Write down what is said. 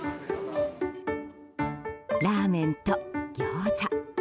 ラーメンとギョーザ。